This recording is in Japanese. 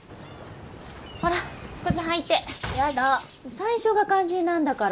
最初が肝心なんだから。